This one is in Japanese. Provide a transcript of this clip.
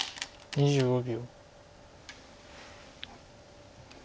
２５秒。